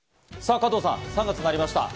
加藤さん、３月になりました。